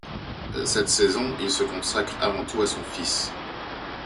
Cette saison, il se consacre avant tout à son fils.